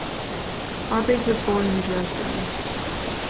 Harbig was born in Dresden.